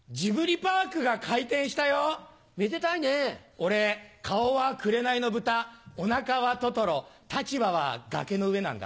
俺顔は紅の豚お腹はトトロ立場は崖の上なんだ。